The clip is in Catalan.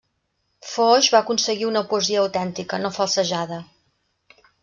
Foix va aconseguir una poesia autèntica, no falsejada.